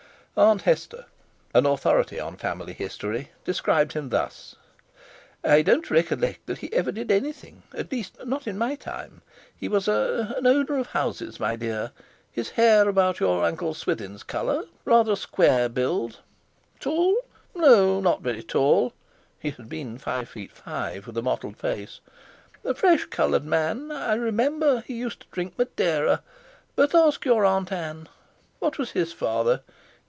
Aunt Hester, an authority on family history, described him thus: "I don't recollect that he ever did anything; at least, not in my time. He was er—an owner of houses, my dear. His hair about your Uncle Swithin's colour; rather a square build. Tall? No—not very tall" (he had been five feet five, with a mottled face); "a fresh coloured man. I remember he used to drink Madeira; but ask your Aunt Ann. What was his father?